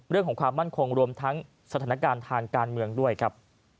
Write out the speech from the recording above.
เรื่องของความมั่นคงรวมทั้งสถานการณ์ทางการเมืองด้วยครับ